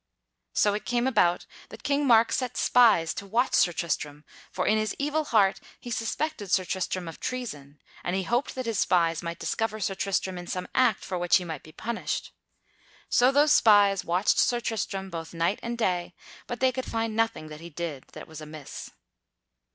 So it came about that King Mark set spies to watch Sir Tristram, for in his evil heart he suspected Sir Tristram of treason, and he hoped that his spies might discover Sir Tristram in some act for which he might be punished. So those spies watched Sir Tristram both night and day, but they could find nothing that he did that was amiss.